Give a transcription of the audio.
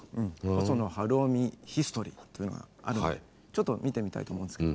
「細野晴臣ヒストリー」なんていうのがあるのでちょっと見てみたいと思うんですけどね